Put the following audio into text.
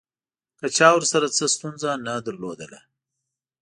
که چا ورسره څه ستونزه نه لرله.